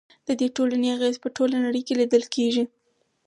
د دې ټولنې اغیز په ټوله نړۍ کې لیدل کیږي.